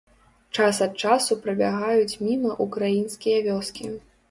Час ад часу прабягаюць міма ўкраінскія вёскі.